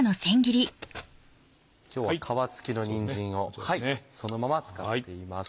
今日は皮付きのにんじんをそのまま使っています。